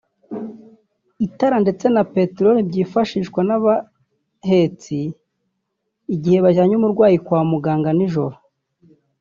itara ndetse na peterori byifashishwa n’abahetsi igihe bajyanye umurwayi kwa muganga mu ijoro